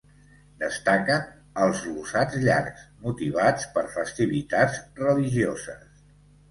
Destaquen els glosats llargs, motivats per festivitats religioses.